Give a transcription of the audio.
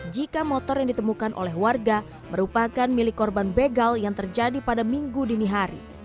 jika motor yang ditemukan oleh warga merupakan milik korban begal yang terjadi pada minggu dini hari